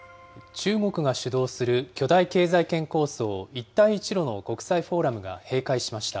中国が主導する巨大経済圏構想、一帯一路の国際フォーラムが閉会しました。